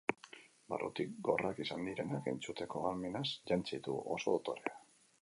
Barrutik gorrak izan direnak entzuteko ahalmenaz jantzi ditugu, oso dotore.